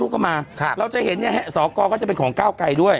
ทุกประมาณค่ะเราจะเห็นเนี้ยสอกรก็จะเป็นของเก้าไกด้วย